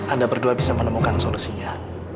anda berdua bisa menemukan solusinya